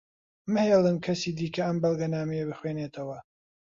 مەهێڵن کەسی دیکە ئەم بەڵگەنامەیە بخوێنێتەوە.